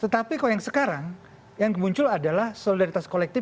tetapi kalau yang sekarang yang muncul adalah solidaritas kolektif